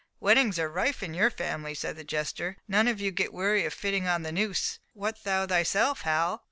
"Weddings are rife in your family," said the jester, "none of you get weary of fitting on the noose. What, thou thyself, Hal?